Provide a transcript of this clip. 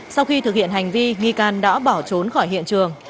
sau khi thực hiện hành vi nghi can đã bỏ trốn khỏi hiện trường